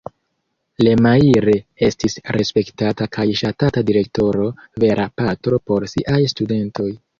Lemaire estis respektata kaj ŝatata direktoro, vera patro por siaj studentoj.